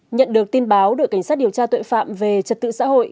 nhận được tin báo đội cảnh sát điều tra tội phạm về trật tự xã hội